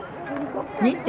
見て。